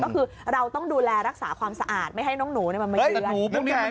ก็คือเราต้องดูแลรักษาความสะอาดไม่ให้น้องหนูมันมาเยือน